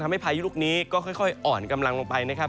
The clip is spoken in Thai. พายุลูกนี้ก็ค่อยอ่อนกำลังลงไปนะครับ